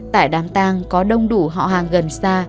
tại đám tang có đông đủ họ hàng gần xa